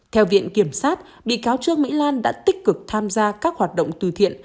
theo viện kiểm sát bị cáo trương mỹ lan đã tích cực tham gia các hoạt động từ thiện